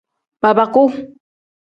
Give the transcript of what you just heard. Babaku.